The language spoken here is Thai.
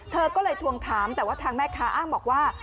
เธอก็เลยทวงถามแต่ว่าทางแม่ค้าอ้างบอกว่า